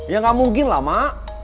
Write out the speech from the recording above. yak ga mungkinlah emak